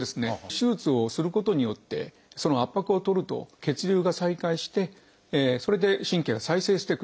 手術をすることによってその圧迫をとると血流が再開してそれで神経が再生してくると。